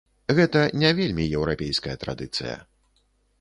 Гэта не вельмі еўрапейская традыцыя.